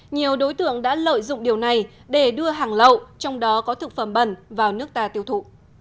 nhiều đối tượng đã lợi dụng điều này để đưa hàng lậu trong đó có thực phẩm bẩn vào nước ta tiêu thụ